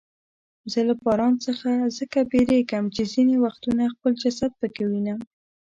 زه له باران څخه ځکه بیریږم چې ځیني وختونه خپل جسد پکې وینم.